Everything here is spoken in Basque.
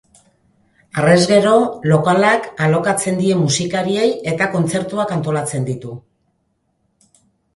Harrez gero lokalak alokatzen die musikariei eta kontzertuak antolatzen ditu.